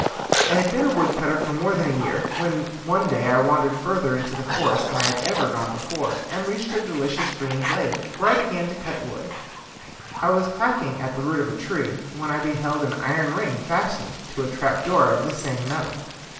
I had been a wood cutter for more than a year, when one day I wandered further into the forest than I had ever done before, and reached a delicious green glade, where I began to cut wood. I was hacking at the root of a tree, when I beheld an iron ring fastened to a trapdoor of the same metal.